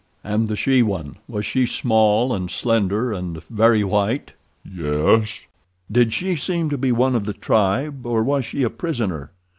"And the she one—was she small and slender, and very white?" "Yes." "Did she seem to be one of the tribe, or was she a prisoner?"